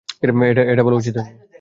এটা বলা উচিত হয়নি।